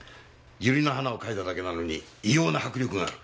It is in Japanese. ユリの花を描いただけなのに異様な迫力がある。